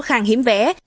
khang hiếm vé